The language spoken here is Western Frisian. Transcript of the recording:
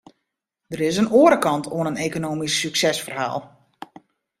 Der is in oare kant oan it ekonomysk suksesferhaal.